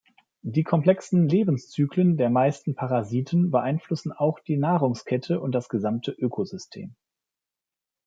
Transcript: Die komplexen Lebenszyklen der meisten Parasiten beeinflussen auch die Nahrungskette und das gesamte Ökosystem.